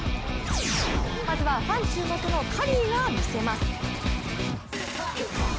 まずはファン注目のカリーがみせます。